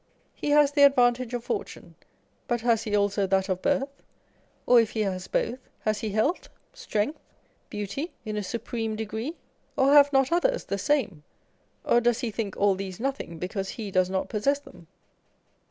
He has the advantage of fortune, but has he also that of birth, or if he has both, has he health, strength, beauty in a supreme degree ? Or have not others the same, or does he think all these nothing because he does not possess them